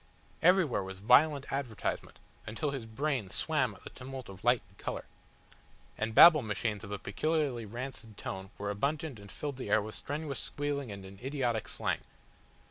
Everywhere was violent advertisement, until his brain swam at the tumult of light and colour. And Babble Machines of a peculiarly rancid tone were abundant and filled the air with strenuous squealing and an idiotic slang.